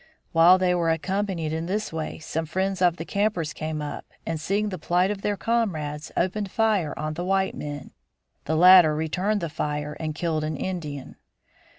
While they were occupied in this way some friends of the campers came up and seeing the plight of their comrades opened fire on the white men. The latter returned the fire and killed an Indian.